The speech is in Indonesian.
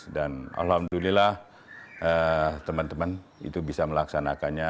alhamdulillah teman teman itu bisa melaksanakannya